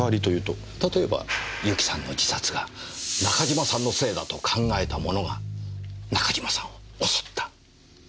例えば由紀さんの自殺が中島さんのせいだと考えた者が中島さんを襲った。